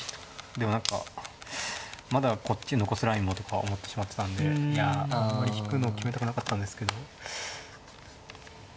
でも何かまだこっち残すラインもとか思ってしまってたんでいやあんまり引くの決めたくなかったんですけど。